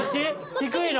低いの？